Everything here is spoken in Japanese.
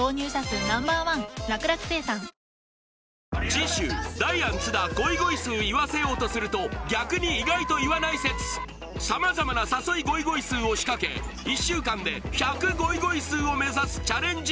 次週ダイアン津田ごいごいすー言わせようとすると逆に意外と言わない説さまざまな誘いごいごいすーを仕掛け１週間で１００ごいごいすーを目指すチャレンジ